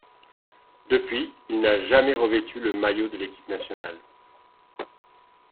Depuis, il n'a jamais revêtu le maillot de l'équipe nationale.